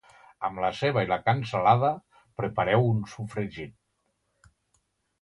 Amb la ceba i la cansalada, prepareu un sofregit.